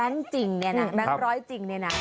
นี่